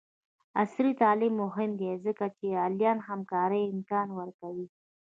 عصري تعلیم مهم دی ځکه چې د آنلاین همکارۍ امکان ورکوي.